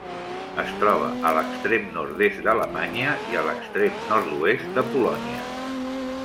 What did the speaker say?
Es troba a l'extrem nord-est d'Alemanya i a l'extrem nord-oest de Polònia.